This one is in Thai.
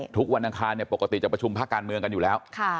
วันอังคารปกติจะประชุมภาคการเมืองกันอยู่แล้ว